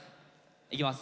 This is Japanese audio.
いきます。